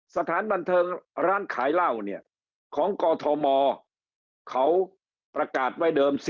สถานบันเทิงร้านขายเหล้าเนี่ยของกอทมเขาประกาศไว้เดิม